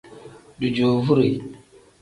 Dijoovure.